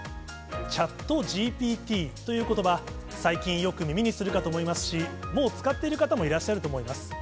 ＣｈａｔＧＰＴということば、最近、よく耳にするかと思いますし、もう使っている方もいらっしゃると思います。